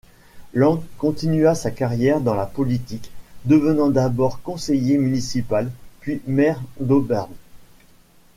Lang continua sa carrière dans la politique, devenant d'abord conseiller municipal puis maire d'Auburn.